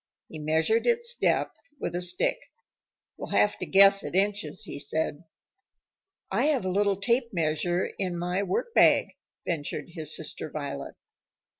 He measured its depth with a stick. "We'll have to guess at inches," he said. "I have a little tape measure in my workbag," ventured his sister Violet.